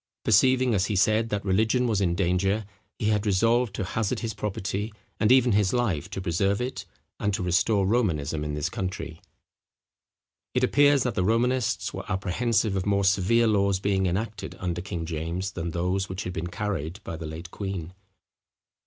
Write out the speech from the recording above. Perceiving, as he said, that religion was in danger, he had resolved to hazard his property, and even his life, to preserve it, and to restore Romanism in this country. It appears that the Romanists were apprehensive of more severe laws being enacted under King James than those which had been carried by the late queen.